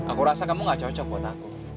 aku rasa kamu gak cocok buat aku